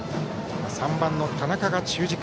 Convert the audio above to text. ３番の田中が中軸。